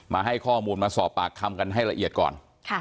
ให้ข้อมูลมาสอบปากคำกันให้ละเอียดก่อน